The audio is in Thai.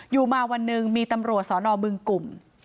อยู่มาวันหนึ่งมีตำรวจสอนอบึงกลุ่ม